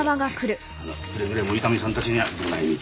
あのくれぐれも伊丹さんたちにはご内密に。